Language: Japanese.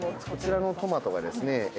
こちらのトマトがですね